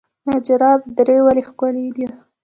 نجراب درې ولې ښکلې دي؟